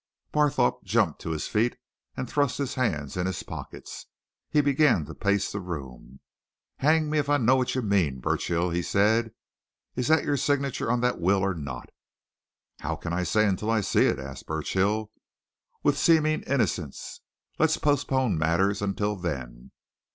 Barthorpe jumped to his feet and thrust his hands in his pockets. He began to pace the room. "Hang me if I know what you mean, Burchill!" he said. "Is that your signature on that will or not?" "How can I say until I see it?" asked Burchill, with seeming innocence. "Let's postpone matters until then.